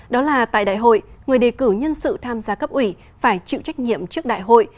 đó là tại đại hội người đề cử nhân sự tham gia cấp ủy phải chịu trách nhiệm trước đại hội